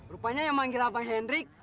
rupanya yang manggil abang hendrik